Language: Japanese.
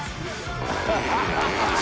ハハハ